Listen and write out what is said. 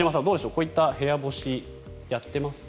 こういった部屋干しやってますか？